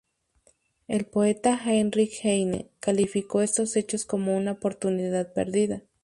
El poeta Heinrich Heine calificó estos hechos como una "oportunidad perdida".